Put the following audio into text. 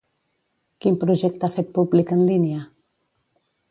Quin projecte ha fet públic en línia?